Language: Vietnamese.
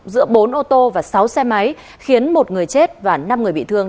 giữa bốn ô tô và sáu xe máy khiến một người chết và năm người bị thương